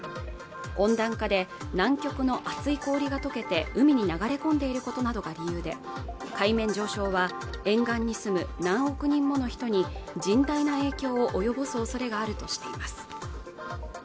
温暖化で南極の厚い氷が溶けて海に流れ込んでいることなどが理由で海面上昇は沿岸に住む男女９人もの人に甚大な影響を及ぼす恐れがあるとしています